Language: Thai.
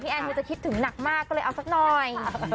แอนคือจะคิดถึงหนักมากก็เลยเอาสักหน่อย